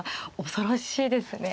恐ろしいですね。